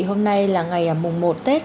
hôm nay là ngày mùng một tết